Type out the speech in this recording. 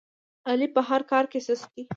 علي په هر کار کې سست دی.